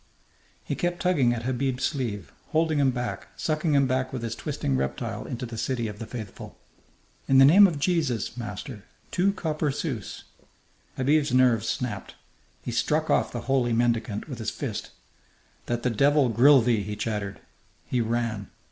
He kept tugging at Habib's sleeve, holding him back, sucking him back with his twisting reptile into the city of the faithful. "In the name of Jesus, master, two copper sous!" Habib's nerves snapped. He struck off the holy mendicant with his fist. "That the devil grill thee!" he chattered. He ran.